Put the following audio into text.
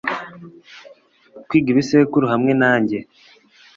Kwiga ibisekuru hamwe nanjye